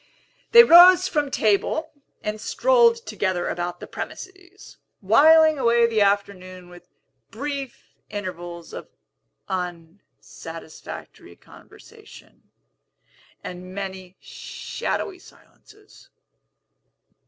They rose from table, and strolled together about the premises, whiling away the afternoon with brief intervals of unsatisfactory conversation, and many shadowy silences.